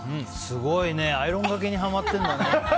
すごいね、アイロンがけにハマってるんだね。